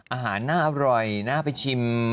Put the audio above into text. อาหารน่าร่อยน่าไปชิม